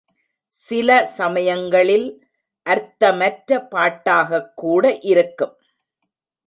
சில சமயங்களில் அர்த்தமற்ற பாட்டாகக்கூட இருக்கும்.